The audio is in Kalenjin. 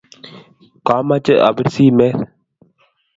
kamoche apir simeet.